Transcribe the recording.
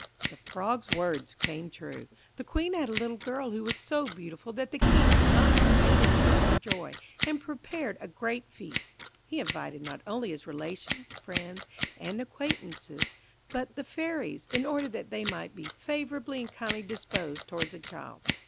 The frog's words came true. The Queen had a little girl who was so beautiful that the King could not contain himself for joy, and prepared a great feast. He invited not only his relations, friends, and acquaintances, but the fairies, in order that they might be favourably and kindly disposed towards the child.